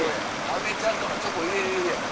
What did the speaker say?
アメちゃんとかチョコ入れれるやん。